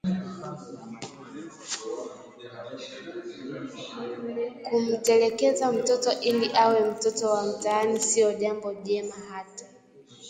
Kumtelekeza mtoto ili awe mtoto wa mtaani sio jambo jema hata